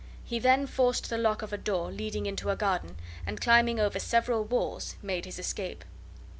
He then forced the lock of a door leading into a garden, and climbing over several walls made his escape.